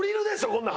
こんなん。